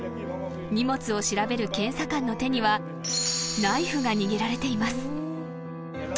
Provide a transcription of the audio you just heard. ［荷物を調べる検査官の手にはナイフが握られています］